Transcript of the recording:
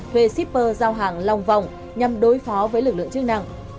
thuê shipper giao hàng lòng vòng nhằm đối phó với lực lượng chức năng